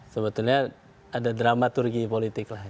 sebetulnya ada dramaturgi politik lah